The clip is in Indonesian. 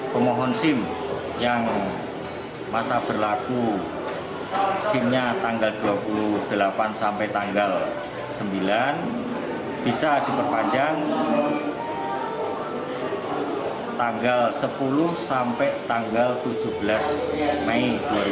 pemohon sim yang masa berlaku simnya tanggal dua puluh delapan sampai tanggal sembilan bisa diperpanjang tanggal sepuluh sampai tanggal tujuh belas mei dua ribu dua puluh